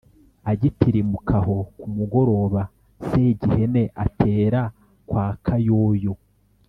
agitirimuka aho, ku mugoroba, segihene atera kwa kayoyo